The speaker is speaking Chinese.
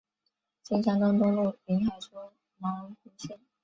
金山东东路宁海州牟平县。